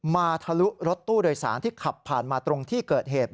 ทะลุรถตู้โดยสารที่ขับผ่านมาตรงที่เกิดเหตุ